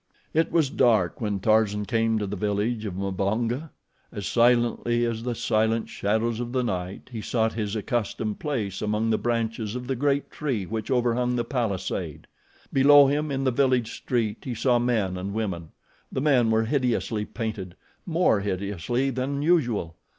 It was dark when Tarzan came to the village of Mbonga. As silently as the silent shadows of the night he sought his accustomed place among the branches of the great tree which overhung the palisade. Below him, in the village street, he saw men and women. The men were hideously painted more hideously than usual.